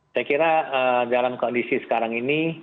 saya kira dalam kondisi sekarang ini